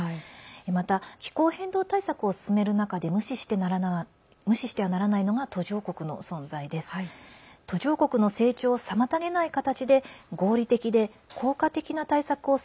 また、気候変動対策を進める中で無視してはならないのが途上国の存在です。